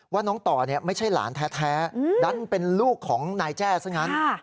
ว่าน้องต่อไม่ใช่หลานแท้ดันเป็นลูกของนายแจ้ซะงั้น